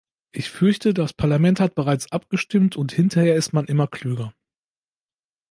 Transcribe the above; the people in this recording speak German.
Ich fürchte, das Parlament hat bereits abgestimmt, und hinterher ist man immer klüger.